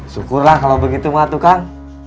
syukurlah kalau begitu atu kang